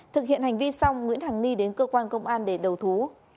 thực hiện hành vi xong nguyễn hàng ni đến cơ quan công an để đầu thú